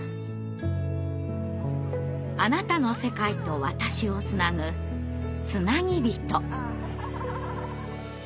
あなたの世界と私をつなぐつなぎびと。